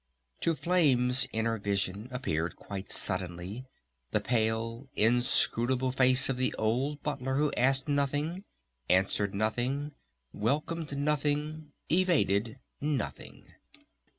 To Flame's inner vision appeared quite suddenly the pale, inscrutable face of the old Butler who asked nothing, answered nothing, welcomed nothing, evaded nothing.